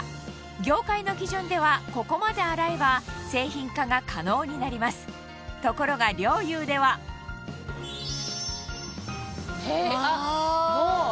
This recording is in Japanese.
業界の基準ではここまで洗えば製品化が可能になりますところが菱友ではうわ！